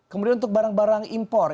kemudian untuk barang barang impor